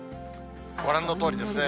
ご覧のとおりですね。